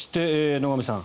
野上さん